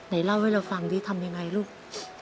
เล่าให้เราฟังดิทำยังไงลูก